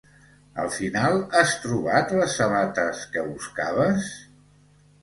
Al final has trobat les sabates que buscaves?